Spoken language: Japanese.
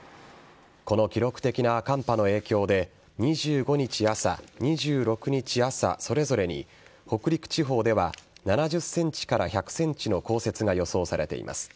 この記録的な寒波の影響で、２５日朝、２６日朝、それぞれに北陸地方では７０センチから１００センチの降雪が予想されています。